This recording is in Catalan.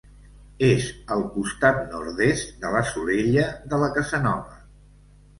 És al costat nord-est de la Solella de la Casanova.